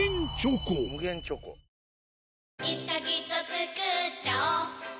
いつかきっとつくっちゃおう